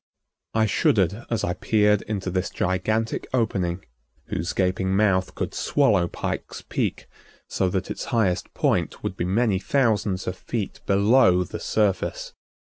I shuddered as I peered into this gigantic opening whose gaping mouth could swallow Pike's Peak so that its highest point would be many thousands of feet below the surface.